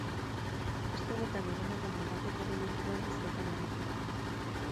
Aste honetan egindako moldaketaren inguruan hizketan aritu gara.